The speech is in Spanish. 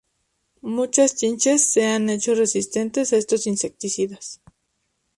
Muchas chinches se han hecho resistentes a estos insecticidas.